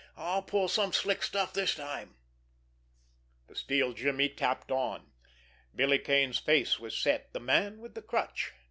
I'll pull some slick stuff this time!" The steel jimmy tapped on. Billy Kane's face was set. The Man with the Crutch!